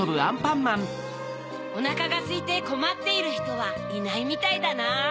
おなかがすいてこまっているひとはいないみたいだなぁ。